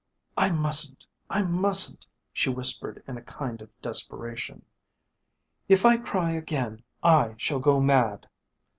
"I mustn't! I mustn't!" she whispered in a kind of desperation. "If I cry again I shall go mad."